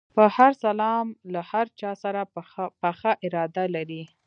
په هر سلام له هر چا سره پخه اراده لري.